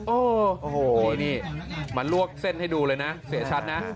โอ้โหนี่มาลวกเส้นให้ดูเลยนะเสียชัดนะ